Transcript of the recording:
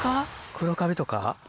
黒カビとか？